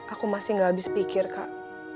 aku masih gak habis pikir kak